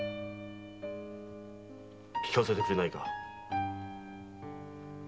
聞かせてくれないか。